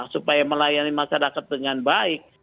supaya melayani masyarakat dengan baik